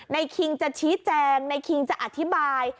นายคิงจะชี้แจงนายคิงจะอธิบาย